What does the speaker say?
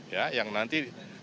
ya yang nanti diteruskan